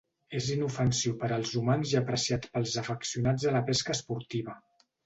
És inofensiu per als humans i apreciat pels afeccionats a la pesca esportiva.